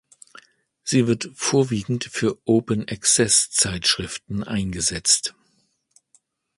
Sie wird vorwiegend für Open-Access-Zeitschriften eingesetzt.